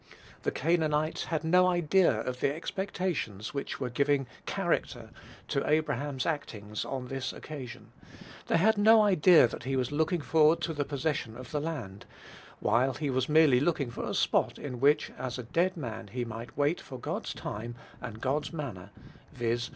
The Canaanites had no idea of the expectations which were giving character to Abraham's actings on this occasion. They had no idea that he was looking forward to the possession of the land, while he was merely looking for a spot in which, as a dead man, he might wait for God's time, and God's manner, viz.